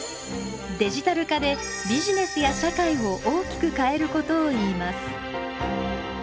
デジタル化でビジネスや社会を大きく変えることをいいます。